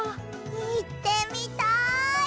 いってみたい！